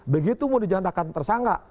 begitu mau dijatakan tersangka